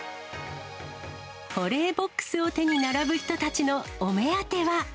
保冷ボックスを手に並ぶ人たちのお目当ては。